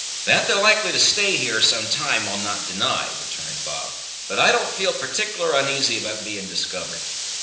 "That they're likely to stay here some time I'll not deny," returned Bob; "but I don't feel partic'lar oneasy about bein' discovered.